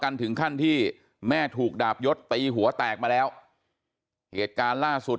ถึงขั้นที่แม่ถูกดาบยศตีหัวแตกมาแล้วเหตุการณ์ล่าสุด